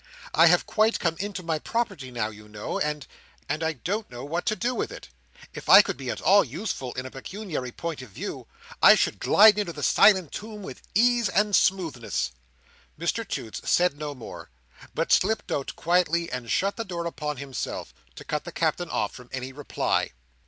I have quite come into my property now, you know, and—and I don't know what to do with it. If I could be at all useful in a pecuniary point of view, I should glide into the silent tomb with ease and smoothness." Mr Toots said no more, but slipped out quietly and shut the door upon himself, to cut the Captain off from any reply.